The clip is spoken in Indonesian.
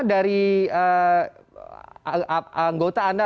dari anggota anda